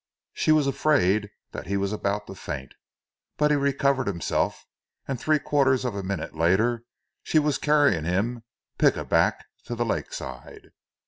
She was afraid that he was about to faint, but he recovered himself and three quarters of a minute later, she was carrying him pick a back to the lakeside.